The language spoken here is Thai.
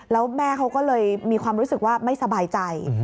แล้วแม่เขาก็เลยมีความรู้สึกว่าไม่สบายใจ